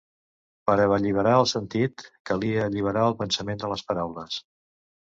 Per a alliberar el sentit, calia alliberar el pensament de les paraules.